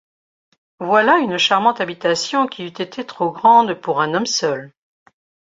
Voilà une charmante habitation, qui eût été trop grande pour un homme seul.